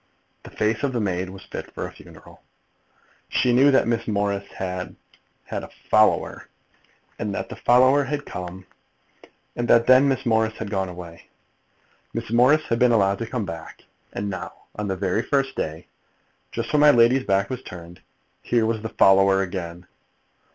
The face of the maid was fit for a funeral. She knew that Miss Morris had had a "follower," that the follower had come, and that then Miss Morris had gone away. Miss Morris had been allowed to come back; and now, on the very first day, just when my lady's back was turned, here was the follower again!